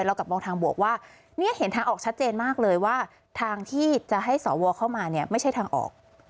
กลับมองทางบวกว่าเนี่ยเห็นทางออกชัดเจนมากเลยว่าทางที่จะให้สวเข้ามาเนี่ยไม่ใช่ทางออก